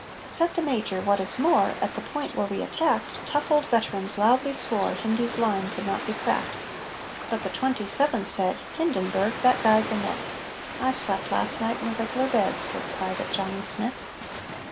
_ Said the Major: "What is more, At the point where we attacked, Tough old veterans loudly swore Hindy's line could not be cracked. But the 27th said, 'Hindenburg! That guy's a myth!'" _"I slept last night in a reg'lar bed," Said Private Johnny Smith.